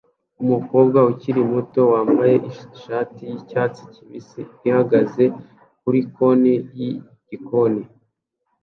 umukobwa ukiri muto wambaye ishati yicyatsi kibisi ihagaze kuri konti yigikoni